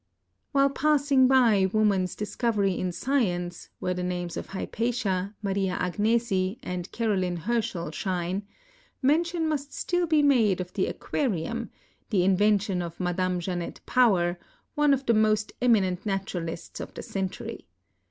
While passing by woman's discovery in science, where the names of Hypatia, Maria Agnesi, and Caroline Hersehel shine, mention must still be made of the aquarium, the invention of Madam Jeanette Power, one of the most eminent naturalists of the century.